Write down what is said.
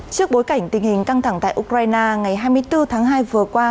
trước bối cảnh tình hình căng thẳng tại ukraine ngày hai mươi bốn tháng hai vừa qua